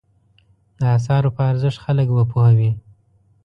د اثارو په ارزښت خلک وپوهوي.